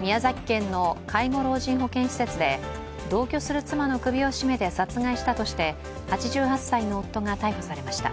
宮崎県の介護老人保健施設で同居する妻の首を絞めて殺害したとして８８歳の夫が逮捕されました。